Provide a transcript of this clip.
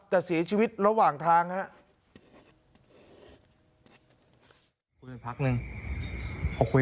แต่เสียชีวิตระหว่างทางครับ